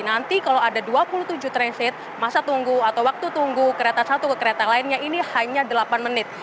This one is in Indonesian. nanti kalau ada dua puluh tujuh transit masa tunggu atau waktu tunggu kereta satu ke kereta lainnya ini hanya delapan menit